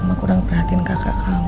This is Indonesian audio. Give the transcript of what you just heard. mama kurang perhatiin kakak kamu